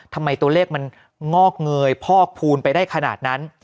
ทำไมตัวเลขมันงอกเงยพอกพูนไปได้ขนาดนั้น